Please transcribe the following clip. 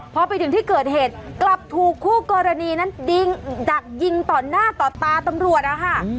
พอไปถึงที่เกิดเหตุกลับถูกคู่กรณีนั้นดักยิงต่อหน้าต่อตาตำรวจนะคะ